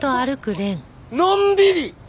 のんびり！